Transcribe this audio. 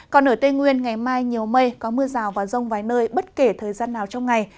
còn ở tây nguyên ngày mai nhiều mây có mưa rào và rông vài nơi bất kể thời gian nào trong ngày